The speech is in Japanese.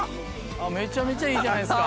めちゃめちゃいいじゃないですか。